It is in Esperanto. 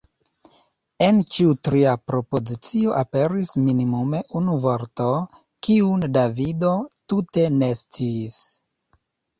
En ĉiu tria propozicio aperis minimume unu vorto, kiun Davido tute ne sciis.